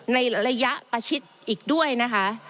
ในระยะประชิดอีกด้วยนะคะ